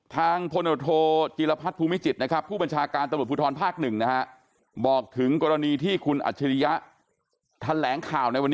ทางพธจิรพัฒน์ภูมิจิตผู้บัญชาการตรพภภ๑บอกถึงกรณีที่คุณอัชฎิยะแท้แหลงข่าวในวันนี้